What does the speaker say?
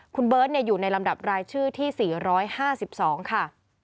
คุณเบิร์ตอยู่ในลำดับรายชื่อที่๔๕๒ค่ะ